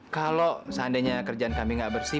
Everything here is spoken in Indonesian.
kalau seandainya kerjaan kami nggak bersih